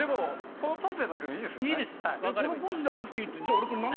このポーズじゃなくていいって。